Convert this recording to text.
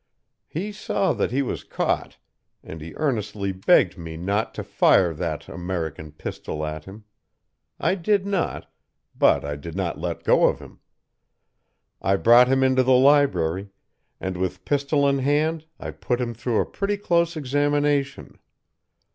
"He saw that he was caught, and he earnestly begged me not to fire that American pistol at him. I did not; but I did not let go of him. I brought him into the library, and with pistol in hand I put him through a pretty close examination.